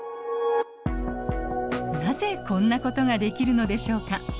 なぜこんなことができるのでしょうか？